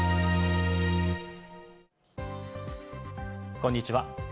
こんにちは。